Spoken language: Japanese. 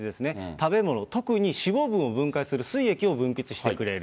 食べ物、特に脂肪分を分解するすい液を分泌してくれる。